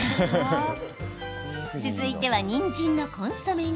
続いては、にんじんのコンソメ煮。